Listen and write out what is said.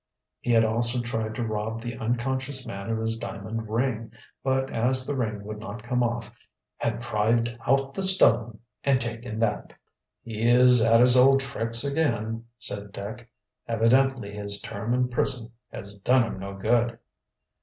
He had also tried to rob the unconscious man of his diamond ring, but as the ring would not come off had pried out the stone and taken that. "He is at his old tricks again," said Dick. "Evidently his term in prison has done him no good."